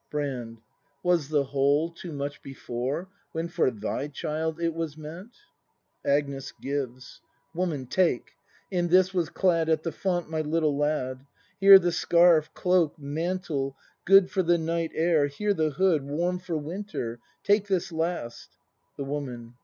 Brand. Was the whole too much before, When for thy child it was meant ? Agnes. [Gives.] Woman, take; in this was clad At the font my little lad. Here the scarf, cloak, mantle, good For the night air, here the hood Warm for winter; take this last The Woman.